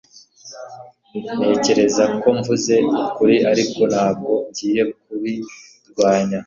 Ntekereza ko mvuze ukuri ariko ntabwo ngiye kubirwanya